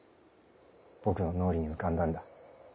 僕の脳裏に浮かんだんだ。